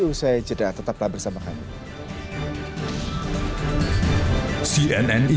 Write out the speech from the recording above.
usai jeda tetaplah bersama kami